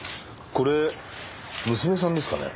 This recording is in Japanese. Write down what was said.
これ娘さんですかね？